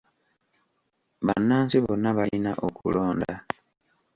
Bannansi bonna balina okulonda.